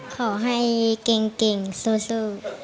ขอให้เก่งสู้